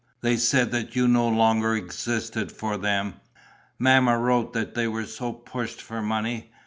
They said that you no longer existed for them." "Mamma wrote that they were so pushed for money.